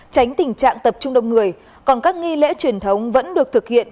tránh tình trạng tập trung đông người còn các nghi lễ truyền thống vẫn được thực hiện